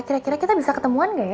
kira kira kita bisa ketemuan gak ya